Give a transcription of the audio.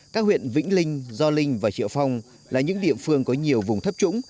các huyện vĩnh linh gio linh và triệu phong là những địa phương có nhiều vùng thấp trũng